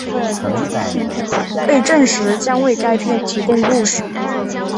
被证实将为该片提供故事。